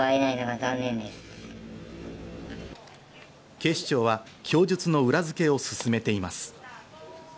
警視庁は供述の裏付けを進めています。